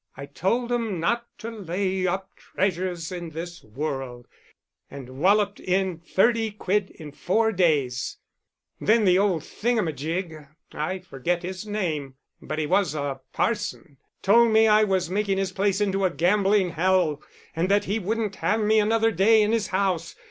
I told 'em not to lay up treasures in this world, and walloped in thirty quid in four days; then the old thingamygig (I forget his name, but he was a parson) told me I was making his place into a gambling hell, and that he wouldn't have me another day in his house.